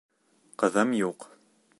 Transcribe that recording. Ҡыҙым юҡ.